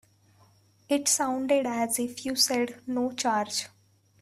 It sounded as if you said no charge.